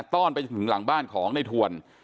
้อนไปจนถึงหลังบ้านของในทวน